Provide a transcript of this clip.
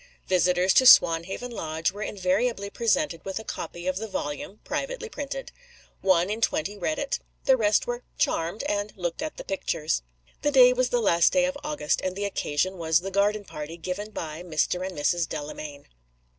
Visitors to Swanhaven Lodge were invariably presented with a copy of the volume (privately printed). One in twenty read it. The rest were "charmed," and looked at the pictures. The day was the last day of August, and the occasion was the garden party given by Mr. and Mrs. Delamayn.